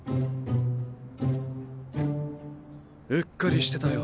うっかりしてたよ。